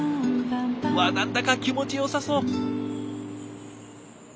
わあ何だか気持ちよさそう。